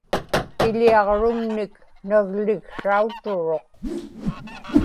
iḷiaġruŋnik nagliksrauturuq